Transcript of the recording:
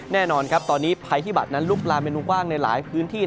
แน่นอนตอนนี้ภายธิบัตรนั้นลูกลาเมนูว่างในหลายพื้นที่